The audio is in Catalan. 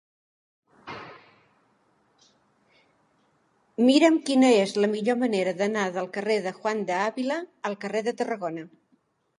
Mira'm quina és la millor manera d'anar del carrer de Juan de Ávila al carrer de Tarragona.